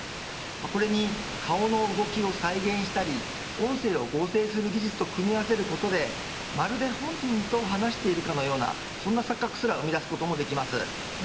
これに、顔の動きを再現したり音声を合成する技術と組み合わせることでまるで本人と話しているかのようなそんな錯覚すら生み出すこともできます。